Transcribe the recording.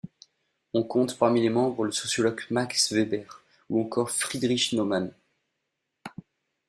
On compte parmi les membres le sociologue Max Weber, ou encore Friedrich Naumann.